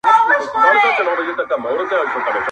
باران راوړی قاسم یاره د سپرلي او ګلاب زېری,